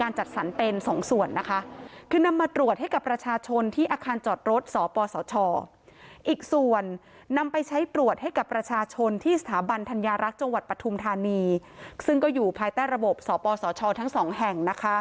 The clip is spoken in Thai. รถสปสชอีกส่วนนำไปใช้ตรวจให้กับประชาชนที่สถาบันธรรยารักษ์จังหวัดปทุมธานีซึ่งก็อยู่ภายใต้ระบบสปสชทั้งสองแห่งนะคะ